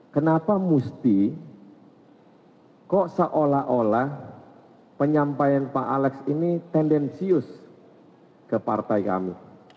kenapa mesti kok seolah olah penyampaian pak alex ini tendensius ke partai kami